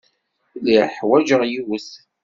Lliɣ ḥwajeɣ yiwet.